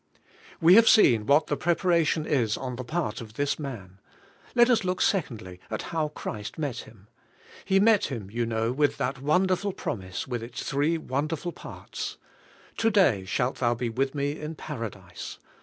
We have seen what the preparation is on the part of this man; let us look, secondly, at how Christ met him. He met him, you know, with that wonderful promise, with its three wonderful parts: "To day shalt thou be with me in Paradise.